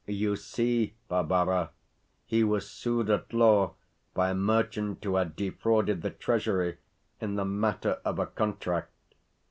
You see, Barbara, he was sued at law by a merchant who had defrauded the Treasury in the matter of a contract.